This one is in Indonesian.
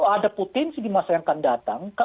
ada potensi di masa yang akan datang